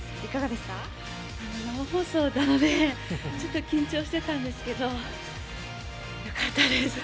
生放送なのでちょっと緊張してたんですけど、よかったです。